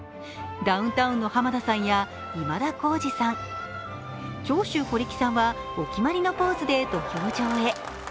ダウンタウンの浜田さんや今田耕司さん、長州小力さんはお決まりのポーズで土俵上へ。